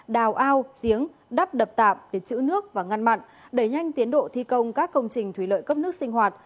đào ao giếng đắp đập tạm để chữ nước và ngăn mặn đẩy nhanh tiến độ thi công các công trình thủy lợi cấp nước sinh hoạt